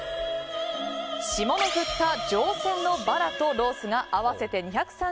霜の降った上撰のバラとロースが合わせて２３０ｇ。